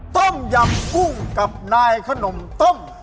ต้มยำกุ้งกับนายขนมต้ม